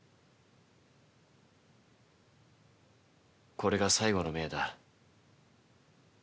これが最後の命だ。